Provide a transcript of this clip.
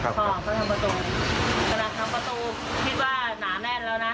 พอเขาทำประตูขนาดทำประตูคิดว่าหนาแน่นแล้วนะ